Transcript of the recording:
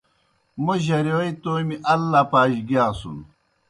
موْ جرِیوئے تومیْ ال لَپَا جیْ گِیاسُن۔